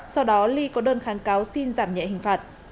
sau đó ly có đơn kháng cáo xin giảm nhẹ hình phạt